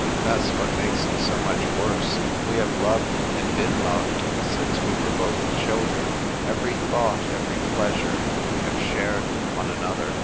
That's what makes it so much worse ! We have loved and been loved since we were both children. Every thought, ever3^ plea sure, we have shared with one another.